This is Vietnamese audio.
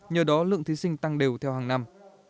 nhờ đó lượng thí sinh tăng đều theo hàng năm